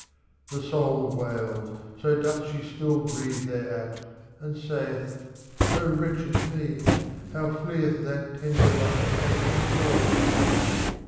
The soul wails, so doth she still grieve thereat, and saith :' O wretched me, how fleeth that tender one who hath consoled me.'